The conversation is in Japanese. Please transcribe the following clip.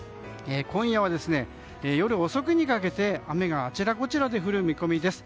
今夜は夜遅くにかけて雨があちらこちらで降る見込みです。